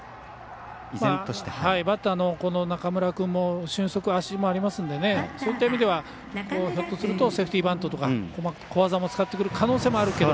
バッターの中村君も俊足、足もありますのでそういった意味ではひょっとするとセーフティーバントとか小技も使ってくる可能性もあると。